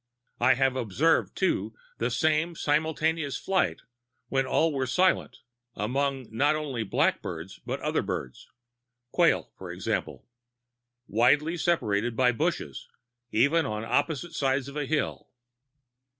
I have observed, too, the same simultaneous flight when all were silent, among not only blackbirds, but other birds quail, for example, widely separated by bushes even on opposite sides of a hill.